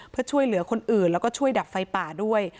เพื่อช่วยเหลือคนอื่นแล้วก็ช่วยดับไฟป่าด้วย